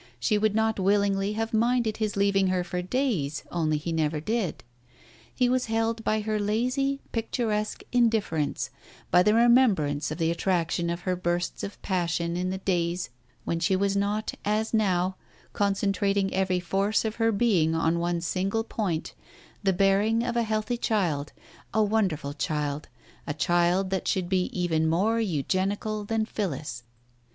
She would not seemingly have minded his leav ing her for days, only he never did. He was held by her lazy, picturesque indifference, by the remembrance of the attraction of her bursts of passion in the days when she was not, as now, concentrating every force of her being on one single point, the bearing of a healthy child, a wonderful child, a child that should be even more eugenical than Phillis.